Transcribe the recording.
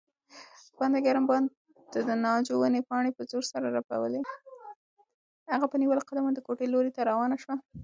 هغه په نیولو قدمونو د کوټې لوري ته روانه شوه.